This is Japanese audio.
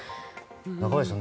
中林さん